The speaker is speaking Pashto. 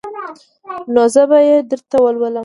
نو زه به يې درته ولولم.